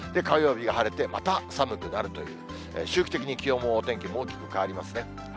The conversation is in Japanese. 火曜日が晴れてまた寒くなるという、周期的に気温もお天気も大きく変わりますね。